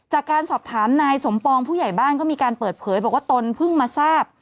จากการสอบถามนายสมปองผู้ใหญ่บ้านก็มีการเปิดเผยบอกว่าตนเพิ่งมาทราบ